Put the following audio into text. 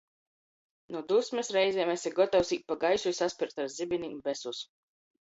Nu dusmis reizem esi gotovs īt pa gaisu i saspert ar zibinim besus.